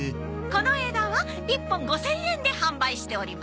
この枝は１本５０００円で販売しております。